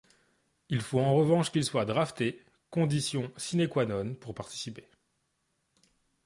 Il faut en revanche qu'il soit drafté, condition sine qua non pour participer.